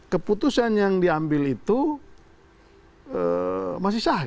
keputusan yang diambil itu masih sah